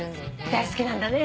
大好きなんだね。